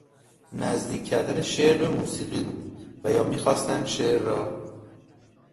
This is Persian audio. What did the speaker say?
نزدیک کردن شعر به موسیقی بود و یا میخواستند شعر را